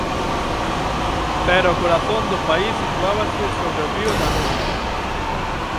Pero o corazón do país situábase sobre o río Danubio.